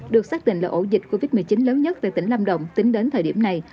được xác định là ổ dịch covid một mươi chín lớn nhất tại tỉnh lâm đồng tính đến thời điểm này